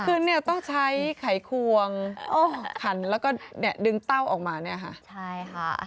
คือต้องใช้ไขควงขันแล้วก็ดึงเต้าออกมาใช่ค่ะ